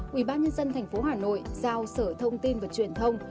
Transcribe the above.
quỹ ban nhân dân thành phố hà nội giao sở thông tin và truyền thông